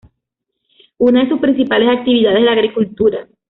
Una de sus principales actividades, es la agricultura.